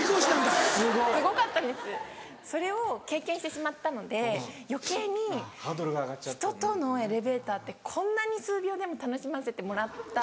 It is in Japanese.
・すごい・すごかったんですそれを経験してしまったので余計にひととのエレベーターってこんなに数秒でも楽しませてもらった。